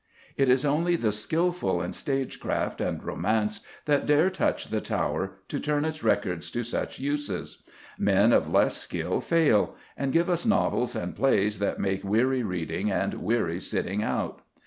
It is only the skilful in stagecraft and romance that dare touch the Tower to turn its records to such uses; men of less skill fail, and give us novels and plays that make weary reading and weary sitting out.